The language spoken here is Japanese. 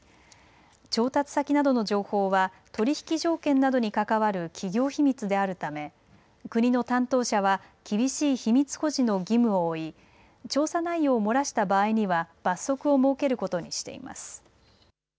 調達先などの情報は取り引き条件などに関わる企業秘密であるため国の担当者は厳しい秘密保持の義務を負い調査内容を漏らした場合には罰則を設けることにしています。